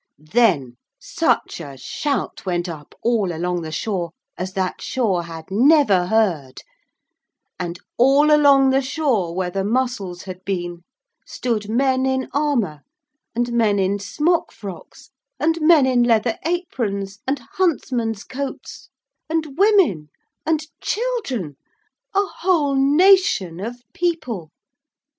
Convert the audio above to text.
Then such a shout went up all along the shore as that shore had never heard; and all along the shore where the mussels had been, stood men in armour and men in smock frocks and men in leather aprons and huntsmen's coats and women and children a whole nation of people.